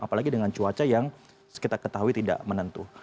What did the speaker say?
apalagi dengan cuaca yang kita ketahui tidak menentu